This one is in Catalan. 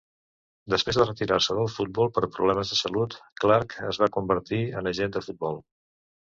Després de retirar-se del futbol per problemes de salut, Clarke es va convertir en agent de futbol.